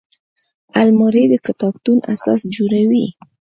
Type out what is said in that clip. الماري د کتابتون اساس جوړوي